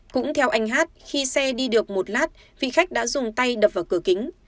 cũng theo anh hát khi xe đi được một lát vị khách đã dùng tay đập vào cửa kính